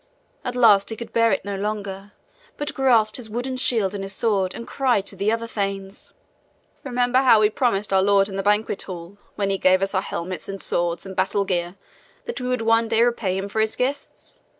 At last he could bear it no longer, but grasped his wooden shield and his sword and cried to the other thanes: "Remember how we promised our lord in the banquet hall, when he gave us our helmets and swords and battle gear, that we would one day repay him for his gifts.